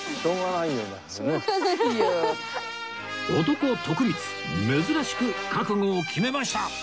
男徳光珍しく覚悟を決めました